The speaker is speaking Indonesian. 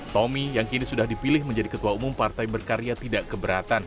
tommy yang kini sudah dipilih menjadi ketua umum partai berkarya tidak keberatan